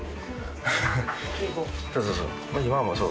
そうそう。